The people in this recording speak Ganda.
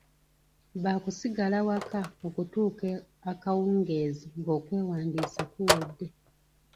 Baakusigala waka okutuuka akawungeezi ng'okwewandiisa kuwedde.